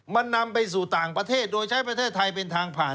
มันนำไปสู่ต่างประเทศโดยใช้ประเทศไทยเป็นทางผ่าน